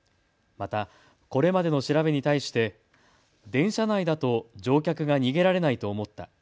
また、これまでの調べに対して電車内だと乗客が逃げられないと思った。